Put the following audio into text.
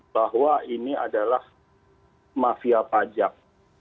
bahwa ini adalah mafia pajak